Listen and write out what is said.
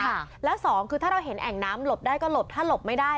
ค่ะแล้วสองคือถ้าเราเห็นแอ่งน้ำหลบได้ก็หลบถ้าหลบไม่ได้